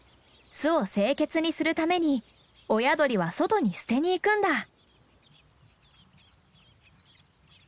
巣を清潔にするために親鳥は外に捨てに行くんだ。